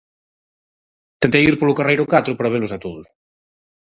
Tentei ir polo carreiro catro para velos a todos.